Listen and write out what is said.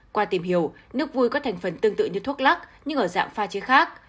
qua tìm hiểu nước vui có thành phần tương tự như thuốc lắc nhưng ở dạng pha chế khác